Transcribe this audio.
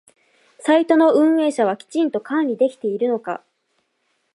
サイトの運営者はきちんと管理できているのか？